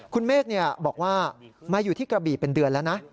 คุณเมฆบอกว่ามาอยู่ที่กระบี่เป็นเดือนแล้วนะ